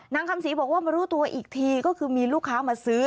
คำศรีบอกว่ามารู้ตัวอีกทีก็คือมีลูกค้ามาซื้อ